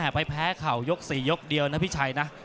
ไปแพ้เข่ายก๔ยกเดียวนะพี่ชัยนะ